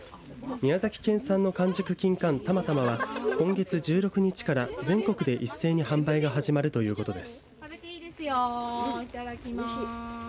宮崎県産の完熟きんかん、たまたまは今月１６日から全国で一斉に販売が始まるということです。